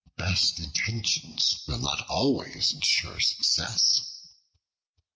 The best intentions will not always ensure success.